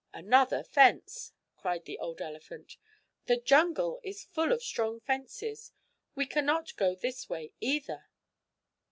"Another fence!" cried the old elephant. "The jungle is full of strong fences! We can not go this way, either!"